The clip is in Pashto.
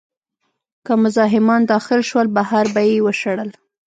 که مزاحمان داخل شول، بهر به یې وشړل.